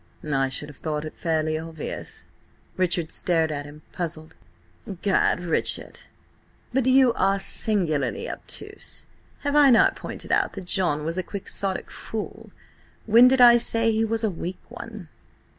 "I should have thought it fairly obvious." Richard stared at him, puzzled. "Gad, Richard! but you are singularly obtuse. Have I not pointed out that John was a quixotic fool? When did I say he was a weak one?"